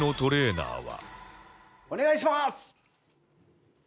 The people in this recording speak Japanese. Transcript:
お願いします！